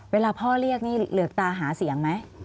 เวลาพ่อเรียกนี่เหลือกตาหาเสียงไหม